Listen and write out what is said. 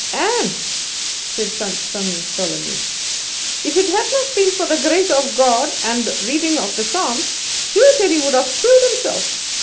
"And," said Tant Sannie solemnly, "if it had not been for the grace of God, and reading of the psalms, he says he would have killed himself.